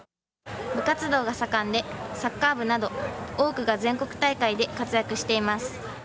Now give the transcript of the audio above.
部活動が盛んで、サッカー部など多くが全国大会で活躍しています。